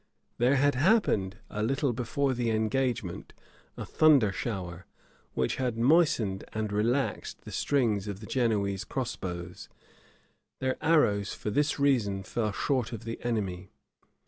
There had happened, a little before the engagement, a thunder shower, which had moistened and relaxed the strings of the Genoese cross bows; their arrows for this reason fell short of the enemy.